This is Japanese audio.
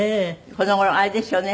この頃あれですよね。